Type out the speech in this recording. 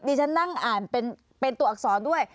ฉันนั่งอ่านเป็นตัวอักษรด้วย